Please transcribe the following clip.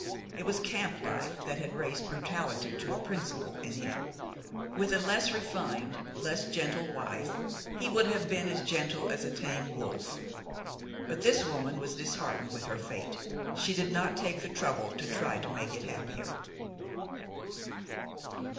It was camp life that had raised brutality to a principle in him. With a less refined, less gentle wife he would have been as gentle as a tame wolf; but this woman was disheartened with her fate; she did not take the trouble to try to make it happier.